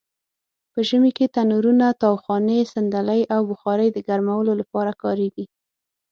په ژمې کې تنرونه؛ تاوخانې؛ صندلۍ او بخارۍ د ګرمولو لپاره کاریږي.